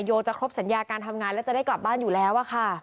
จะครบสัญญาการทำงานแล้วจะได้กลับบ้านอยู่แล้วอะค่ะ